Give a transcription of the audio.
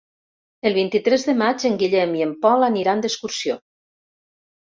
El vint-i-tres de maig en Guillem i en Pol aniran d'excursió.